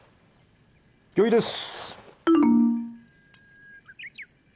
御意です！